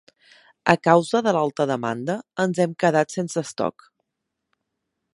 A causa de l'alta demanda, ens hem quedat sense estoc.